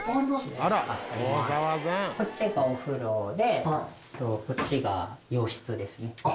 こっちがお風呂でこっちが洋室ですね部屋。